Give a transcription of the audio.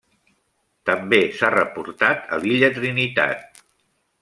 També s'ha reportat a l'illa Trinitat.